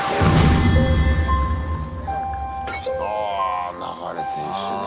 あ流選手ね。